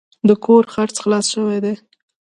د کور خرڅ خلاص شوی دی.